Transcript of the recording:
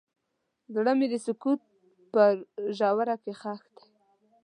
زړه مې د سکوت په ژوره کې ښخ دی.